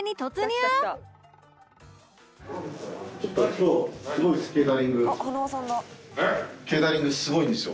そしてケータリングすごいんですよ